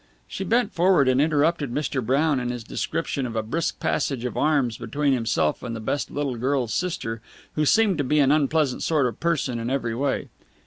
She bent forward and interrupted Mr. Brown in his description of a brisk passage of arms between himself and the best little girl's sister, who seemed to be an unpleasant sort of person in every way.